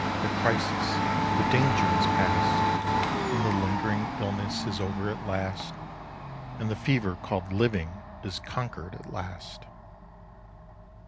the crisis—The danger is past, And the lingering illnessIs over at last—And the fever called 'Living'Is conquer'd at last.